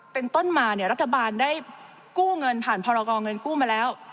เป็นต้นมาเนี่ยรัฐบาลได้กู้เงินผ่านพรกรเงินกู้มาแล้ว